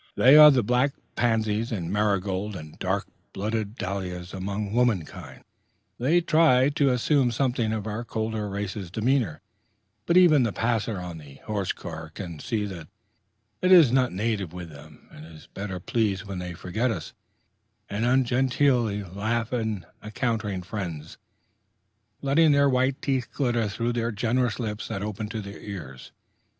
They are the black pansies and marigolds and dark blooded dahlias among womankind. They try to assume something of our colder race's demeanor, but even the passer on the horse car can see that it is not native with them, and is better pleased when they forget us, and ungenteelly laugh in encountering friends, letting their white teeth glitter through the generous lips that open to their ears.